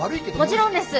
もちろんです！